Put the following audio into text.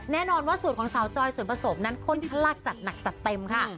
แน่นอนว่าสูตรของสาวจอยส่วนผสมนั้นค่อนข้างลากจัดหนักจัดเต็มค่ะ